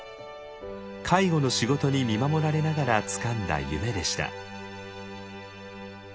介護の仕事に見守られながらつかんだ夢でした。